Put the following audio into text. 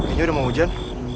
kayaknya udah mau hujan